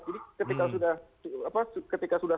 jadi ketika sudah